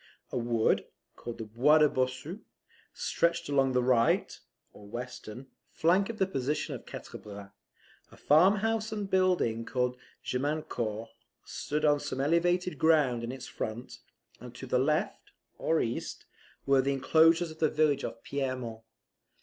A wood, called the Bois de Bossu, stretched along the right (or western) flank of the position of Quatre Bras; a farmhouse and building, called Gemiancourt, stood on some elevated ground in its front; and to the left (or east), were the inclosures of the village of Pierremont.